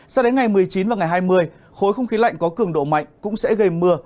sao đến ngày một mươi chín và ngày hai mươi khối không khí lạnh có cường độ mạnh cũng sẽ gây mưa